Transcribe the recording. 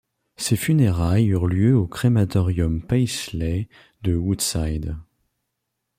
Ses funérailles eurent lieu au crematorium Paisley de Woodside.